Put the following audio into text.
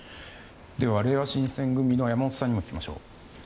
れいわ新選組の山本さんにも聞きましょう。